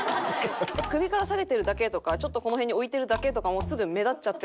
首から下げてるだけとかちょっとこの辺に置いてるだけとかもすぐ。